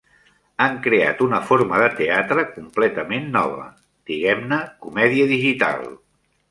Han creat una forma de teatre completament nova; diguem-ne comèdia digital.